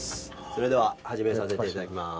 それでは始めさせていただきます。